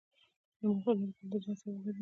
د مور خدمت کول د جنت سبب ګرځي